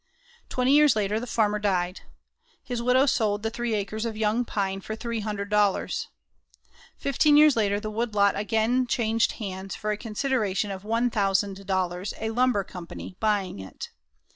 Twenty years later the farmer died. His widow sold the three acres of young pine for $300. Fifteen years later the woodlot again changed hands for a consideration of $1,000, a lumber company buying it.